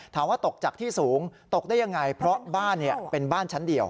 ตกจากที่สูงตกได้ยังไงเพราะบ้านเป็นบ้านชั้นเดียว